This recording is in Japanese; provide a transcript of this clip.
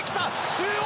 中央！